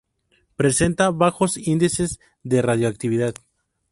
Presenta bajos índices de radiactividad.